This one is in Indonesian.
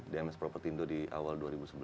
dms property indul di awal dua ribu sebelas